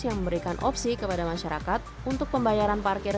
yang memberikan opsi kepada masyarakat untuk pembayaran parkir